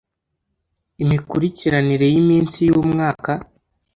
imikurikiranire y’iminsi y’umwaka